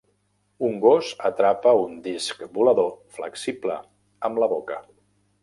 Un gos atrapa un disc volador flexible amb la boca.